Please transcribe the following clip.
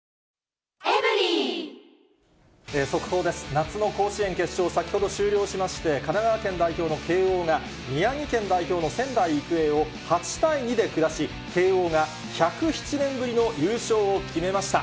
夏の甲子園決勝、先ほど終了しまして、神奈川県代表の慶応が、宮城県代表の仙台育英を８対２で下し、慶応が１０７年ぶりの優勝を決めました。